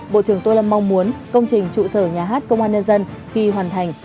bộ trưởng tô lâm mong muốn công trình trụ sở nhà hát công an nhân dân khi hoàn thành